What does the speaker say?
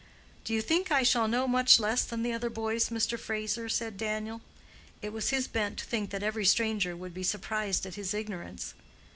"Do you think I shall know much less than the other boys, Mr. Fraser?" said Daniel. It was his bent to think that every stranger would be surprised at his ignorance.